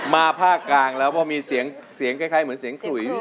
มาภาคกลางแล้วเพราะมีเสียงคลุย